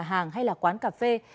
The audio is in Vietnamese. hàng hay là quán cà phê